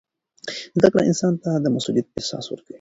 زده کړه انسان ته د مسؤلیت احساس ورکوي.